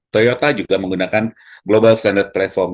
toyota juga menggunakan global standard platform